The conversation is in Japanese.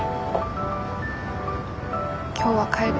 今日は帰る。